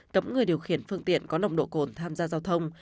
cấm người điều khiển phương tiện có nồng độ cồn tham gia giao thông